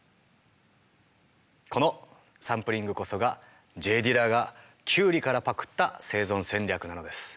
このサンプリングこそがＪ・ディラがキュウリからパクった生存戦略なのです。